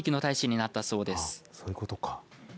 あ、そういうことか。